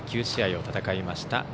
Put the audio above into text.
９試合を戦いました。